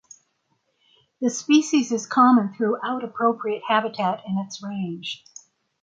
The species is common throughout appropriate habitat in its range.